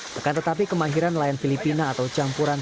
akan tetapi kemahiran nelayan filipina atau campuran